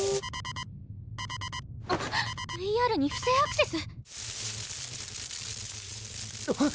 あっＶＲに不正アクセス⁉あっ。